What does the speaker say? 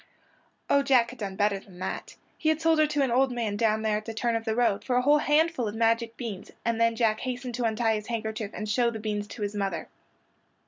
Oh, Jack had done better than that. He had sold her to an old man down there at the turn of the road for a whole handful of magic beans; and then Jack hastened to untie his handkerchief and show the beans to his mother.